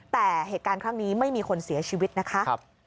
แต่เหตุการณ์ครั้งนี้ไม่มีคนเสียชีวิตนะคะ